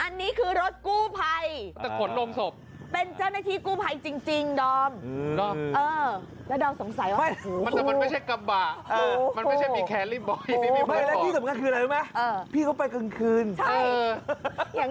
อันนี้คือรถกูไภเป้นเจ้าหน้าที่กูภัยจริงแล้วสงสัยว่าไม่ไหม